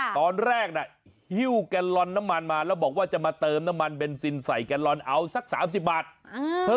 ตอนแรกน่ะหิ้วแกนลอนน้ำมันมาแล้วบอกว่าจะมาเติมน้ำมันเบนซินใส่แกลลอนเอาสัก๓๐บาท